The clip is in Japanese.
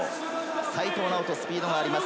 齋藤直人はスピードがあります。